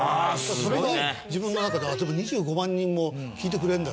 それで自分の中ではでも２５万人も聴いてくれるんだ。